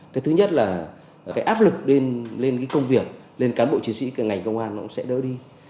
cái thứ nhất là cái áp lực lên cái công việc lên cán bộ chiến sĩ ngành công an nó cũng sẽ đỡ đi